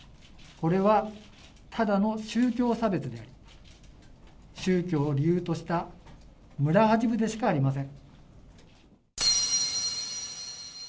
これは、ただの宗教差別であり、宗教を理由とした村八分でしかありません。